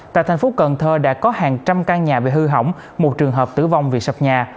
tại thành phố cần thơ đã có hàng trăm căn nhà bị hư hỏng một trường hợp tử vong vì sập nhà